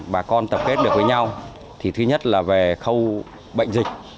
bà con tập kết được với nhau thì thứ nhất là về khâu bệnh dịch